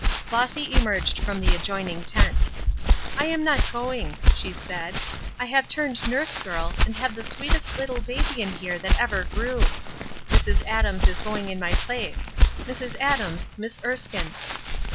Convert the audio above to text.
Flossy emerged from the adjoining tent. "I am not going." she said. "I have turned nurse girl, and have the sweetest little baby in here that ever grew. Mrs. Adams is going in my place. Mrs. Adams, Miss Erskine."